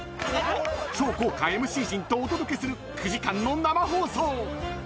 超豪華ＭＣ陣とお届けする９時間の生放送。